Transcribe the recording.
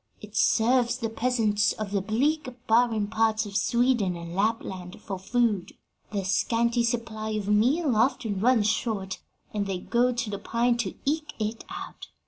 It serves the peasants of the bleak, barren parts of Sweden and Lapland for food: their scanty supply of meal often runs short, and they go to the pine to eke it out.